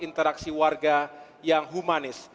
interaksi warga yang humanis